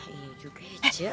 iya juga aja